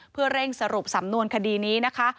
เพื่อเร่งสรุปสำนวนคดีนี้นะคะ